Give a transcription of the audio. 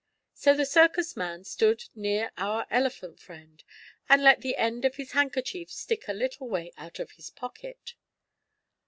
So the circus man stood near our elephant friend, and let the end of his handkerchief stick a little way out of his pocket.